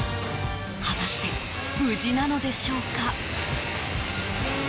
果たして、無事なのでしょうか？